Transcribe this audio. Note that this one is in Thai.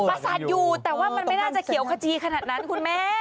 ประสาทอยู่แต่ว่ามันไม่น่าจะเขียวขจีขนาดนั้นคุณแม่